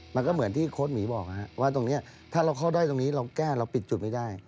มันก็เหมือนที่โค้ดหมีบอกว่าตรงนี้ถ้าเราเข้าด้อยตรงนี้เราแก้เราปิดจุดไม่ได้